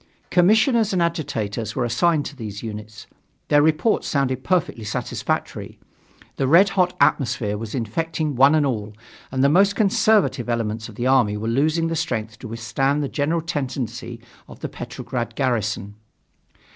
Commissioners and agitators were assigned to these units. Their reports sounded perfectly satisfactory: the red hot atmosphere was infecting one and all, and the most conservative elements of the army were losing the strength to withstand the general tendency of the Petrograd garrison.